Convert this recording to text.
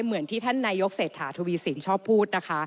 เหมือนที่ท่านนายกเศรษฐาทวีสินชอบพูดนะคะ